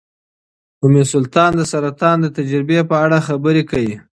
ام سلطان د سرطان د تجربې په اړه خبرې کوي.